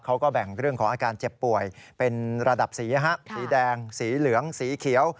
เขาก็แบ่งเรื่องของอาการเจ็บป่วยเป็นระดับสีสีแดงสีเหลืองสีเขียว